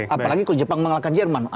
apalagi kalau jepang mengalahkan jerman